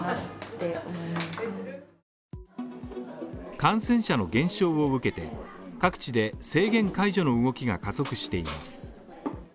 感染者の減少を受けて各地で制限解除の動きが加速しています。